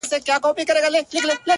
زه چي سهار له خوبه پاڅېږمه،